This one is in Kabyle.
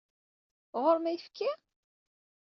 Ɣur-m ayefki?